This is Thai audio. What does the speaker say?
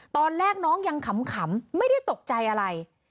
ตอนแรกน้องยังขำไม่ได้ตกใจอะไร